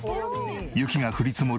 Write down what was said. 雪が降り積もる